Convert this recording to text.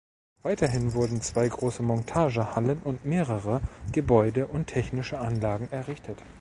Weiterhin wurden zwei große Montagehallen und mehrere Gebäude und technische Anlagen errichtet.